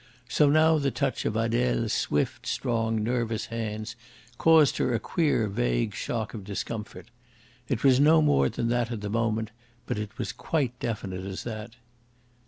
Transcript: So now the touch of Adele's swift, strong, nervous hands caused her a queer, vague shock of discomfort. It was no more than that at the moment, but it was quite definite as that.